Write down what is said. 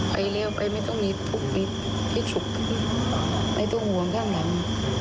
ไปแล้วไปไม่ต้องมีทุกปีที่ฉุกไม่ต้องห่วงข้างหลัง